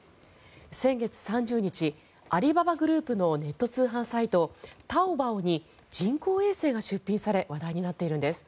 先月３０日、アリババグループのネット通販サイトタオバオに人工衛星が出品され話題になっているんです。